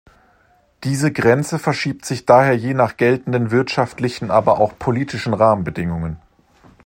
Diese Grenze verschiebt sich daher je nach geltenden wirtschaftlichen aber auch politischen Rahmenbedingungen.